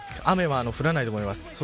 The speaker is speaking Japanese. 雨は降らないと思います。